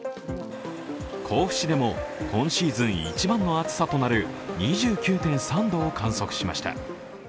甲府市でも今シーズン一番の暑さとなる２９．３度を観測しました。